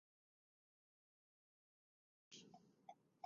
Què se t'hi ha perdut, a Andratx?